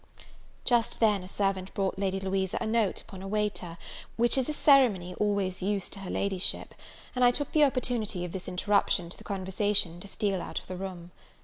Just then a servant brought Lady Louisa a note upon a waiter, which is a ceremony always used to her Ladyship; and I took the opportunity of this interruption to the conversation to steal out of the room.